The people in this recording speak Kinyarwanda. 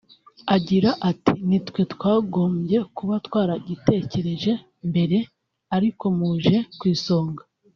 Agira ati “Ni twe twagombye kuba twaragitekereje mbere ariko muje ku isonga